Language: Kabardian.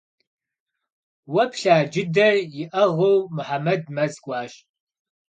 Уэ плъа джыдэр иӏыгъыу Мухьэмэд мэз кӏуащ.